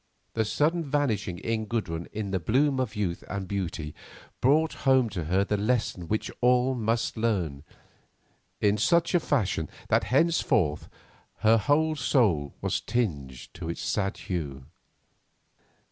The sudden vanishing in Gudrun in the bloom of youth and beauty brought home to her the lesson which all must learn, in such a fashion that henceforth her whole soul was tinged to its sad hue.